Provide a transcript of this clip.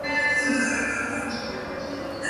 yenye watu milioni mia Mmoja sabini na saba